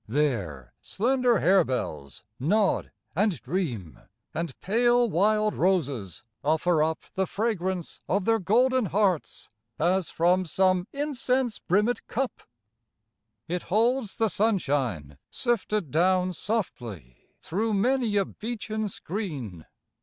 There slender harebells nod and dream, And pale wild roses offer up The fragrance of their golden hearts, As from some incense brimmed cup. It holds the sunshine sifted down Softly through many a beechen screen.